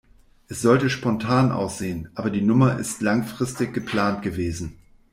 Es sollte spontan aussehen, aber die Nummer ist langfristig geplant gewesen.